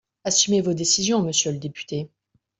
Assumez vos décisions, monsieur le député